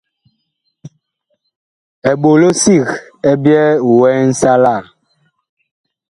Eɓolo sig ɛ byɛɛ wɛɛ nsalaa.